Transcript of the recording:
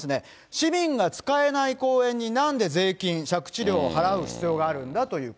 市民が使えない公園になんで税金、借地料を払う必要があるんだという声。